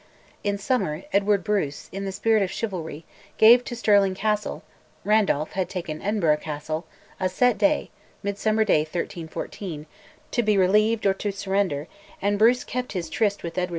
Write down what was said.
In summer, Edward Bruce, in the spirit of chivalry, gave to Stirling Castle (Randolph had taken Edinburgh Castle) a set day, Midsummer Day 1314, to be relieved or to surrender; and Bruce kept tryst with Edward II.